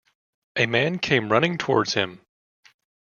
A man came running towards him.